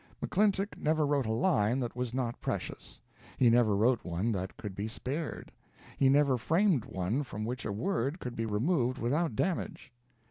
McClintock never wrote a line that was not precious; he never wrote one that could be spared; he never framed one from which a word could be removed without damage.